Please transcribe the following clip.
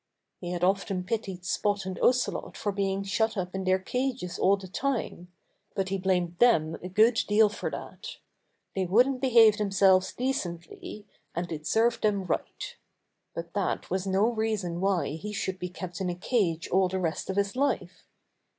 He had often pitied Spot and Ocelot for being shut up in their cages all the time, but he blamed them a good deal for that. They wouldn't behave themselves decently, and it served them right. But that was no reason why he should be kept in a cage all the rest of his life.